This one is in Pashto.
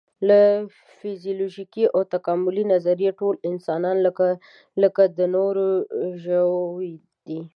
له فزیولوژیکي او تکاملي نظره ټول انسانان لکه د نورو ژوو دي.